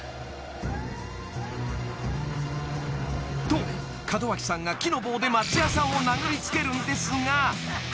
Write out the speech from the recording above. ［と門脇さんが木の棒で松也さんを殴りつけるんですが］